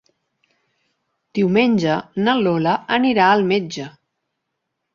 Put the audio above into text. Diumenge na Lola anirà al metge.